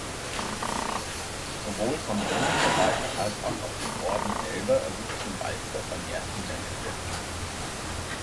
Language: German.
Sowohl von römischer Seite als auch aus dem Orden selber erwuchsen Walzer vermehrt Hindernisse.